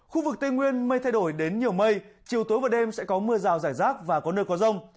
khu vực tây nguyên mây thay đổi đến nhiều mây chiều tối và đêm sẽ có mưa rào rải rác và có nơi có rông